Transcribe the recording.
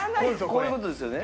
こういう事ですよね？